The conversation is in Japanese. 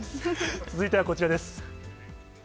続いてはこちらです。